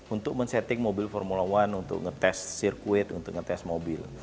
untuk men setting mobil formula one untuk ngetes sirkuit untuk ngetes mobil